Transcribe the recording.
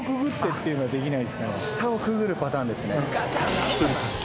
あっ下をくぐるパターンですね。